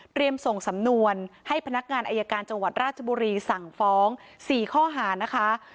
ส่งสำนวนให้พนักงานอายการจังหวัดราชบุรีสั่งฟ้อง๔ข้อหานะคะ